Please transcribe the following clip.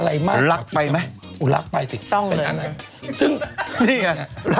แต่มันไปทุกค่ายและ